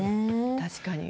確かに。